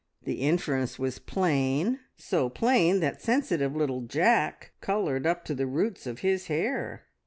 The inference was plain, so plain that sensitive little Jack coloured up to the roots of his hair.